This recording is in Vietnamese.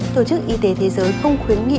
tổ chức y tế thế giới không khuyến nghị